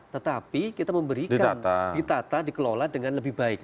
tetapi kita memberikan ditata dikelola dengan lebih baik